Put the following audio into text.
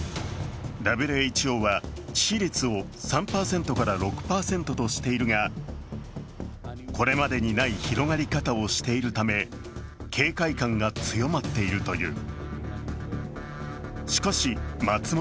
ＷＨＯは致死率を３％から６％としているがこれまでにない広がり方をしているため、警戒感が強まっているという。